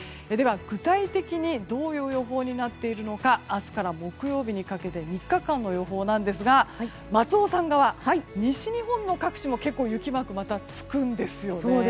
では、具体的にどういう予報になっているのか明日から木曜日にかけて３日間の予報なんですが松尾さん側、西日本の各地も結構、雪マークがまたつくんですよ。